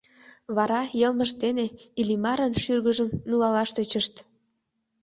Вара йылмышт дене Иллимарын шӱргыжым нулалаш тӧчышт.